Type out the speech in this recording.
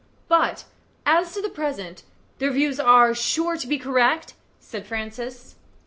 "But, as to the present, their views are sure to be correct?" said Francis.